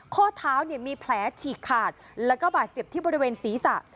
ข้อเท้ามีแผลฉีกขาดแล้วก็บาดเจ็บที่บริเวณศีรษะ